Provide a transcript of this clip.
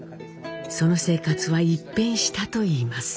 その生活は一変したと言います。